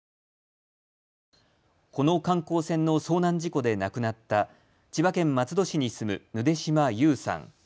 この観光船の遭難事故で亡くなった千葉県松戸市に住むぬで島優さん。